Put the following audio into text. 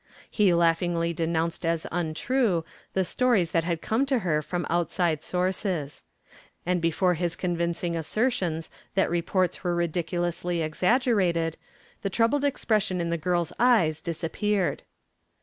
He laughingly denounced as untrue the stories that had come to her from outside sources. And before his convincing assertions that reports were ridiculously exaggerated, the troubled expression in the girl's eyes disappeared.